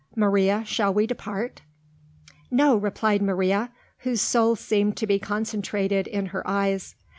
Maria, shall we depart?" "No," replied Maria, whose soul seemed to be concentrated in her eyes.